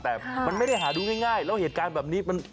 แต่มันไม่ได้หาดูง่ายแล้วเหตุการณ์แบบนี้มัน